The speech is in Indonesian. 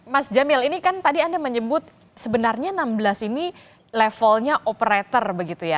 mas jamil ini kan tadi anda menyebut sebenarnya enam belas ini levelnya operator begitu ya